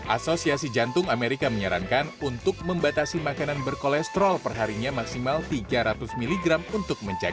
asosiasi jantung amerika menyarankan untuk membatasi makanan berkolesterol perharinya maksimal tiga ratus mg